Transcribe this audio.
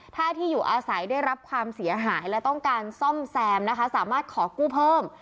ถ้าที่อยู่อาศัยได้รับความเสียหายและต้องการซ่อมแซมนะคะสามารถขอกู้เพิ่ม